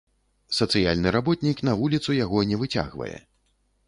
Сацыяльны работнік на вуліцу яго не выцягвае.